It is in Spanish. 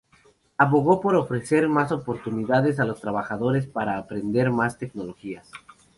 Abogó por ofrecer más oportunidades a los trabajadores para aprender más tecnologías.